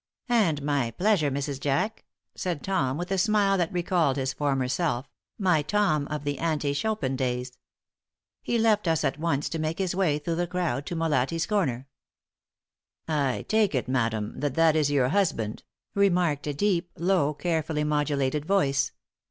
"And my pleasure, Mrs. Jack," said Tom, with a smile that recalled his former self, my Tom of the ante Chopin days. He left us at once to make his way through the crowd to Molatti's corner. "I take it, madam, that that is your husband," remarked a deep, low, carefully modulated voice.